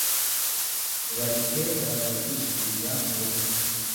Bareke baraza kwisubiza mu rugo